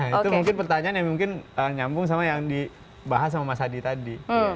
itu mungkin pertanyaan yang mungkin nyambung sama yang dibahas sama mas hadi tadi